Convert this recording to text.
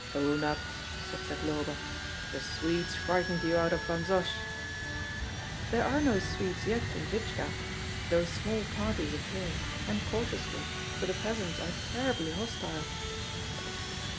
"Own up," said Zagloba, "the Swedes frightened you out of Vansosh?" "There are no Swedes yet in Vidzka, though small parties appear, and cautiously, for the peasants are terribly hostile."